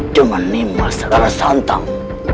jeman ini masalah santang